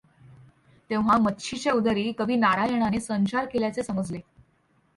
तेव्हा मच्छीच्या उदरी कविनारायणाने संचार केल्याचे समजले.